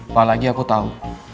apalagi aku tau